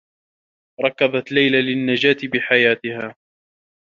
ركضت ليلى للنّجاة بحياتها.